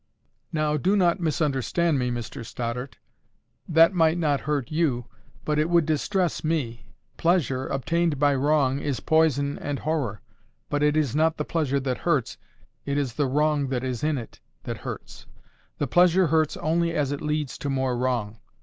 "Now, do not misunderstand me, Mr Stoddart. That might not hurt you, but it would distress me. Pleasure, obtained by wrong, is poison and horror. But it is not the pleasure that hurts, it is the wrong that is in it that hurts; the pleasure hurts only as it leads to more wrong.